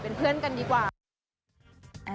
เป็นเพื่อนกันดีกว่า